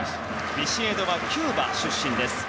ビシエドはキューバ出身です。